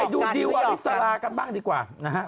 ดูดิวอริสรากันบ้างดีกว่านะฮะ